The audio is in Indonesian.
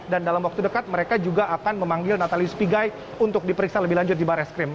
dan dalam waktu dekat mereka juga akan memanggil natalius pigai untuk diperiksa lebih lanjut di bareskrim